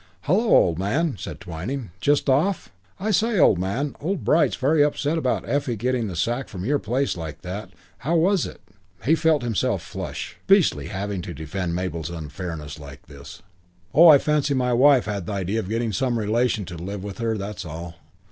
"Hullo, old man," said Twyning. "Just off? I say, old man, old Bright's very upset about Effie getting the sack from your place like that. How was it?" He felt himself flush. Beastly, having to defend Mabel's unfairness like this. "Oh, I fancy my wife had the idea of getting some relation to live with her, that's all."